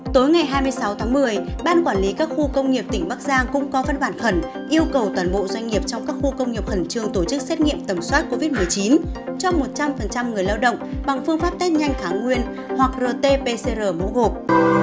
tối ngày hai mươi sáu tháng một mươi ban quản lý các khu công nghiệp tỉnh bắc giang cũng có văn bản khẩn yêu cầu toàn bộ doanh nghiệp trong các khu công nghiệp khẩn trương tổ chức xét nghiệm tầm soát covid một mươi chín cho một trăm linh người lao động bằng phương pháp test nhanh thái nguyên hoặc rt pcr mẫu gộp